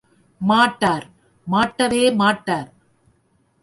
மாட்டார், மாட்டவே மாட்டார்!...